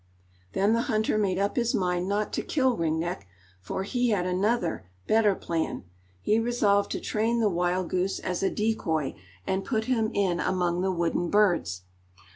Then the hunter made up his mind not to kill Ring Neck, for he had another, better plan. He resolved to train the wild goose as a decoy, and put him in among the wooden birds.